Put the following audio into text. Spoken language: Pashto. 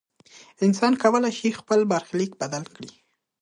انسان کولی شي خپل برخلیک بدل کړي.